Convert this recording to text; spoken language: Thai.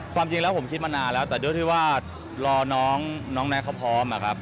ความจริงแล้วผมคิดมานานแล้วแต่ด้วยที่ว่ารอน้องแน็กเขาพร้อมอะครับ